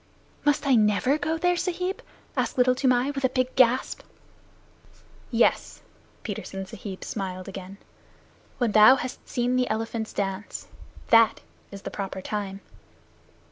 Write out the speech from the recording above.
"Must I never go there, Sahib?" asked Little Toomai with a big gasp. "Yes." Petersen Sahib smiled again. "When thou hast seen the elephants dance. That is the proper time.